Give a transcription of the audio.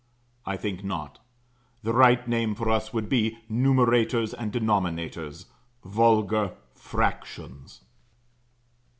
I think not. The right name for us would be numerators and denominators. Vulgar Fractions.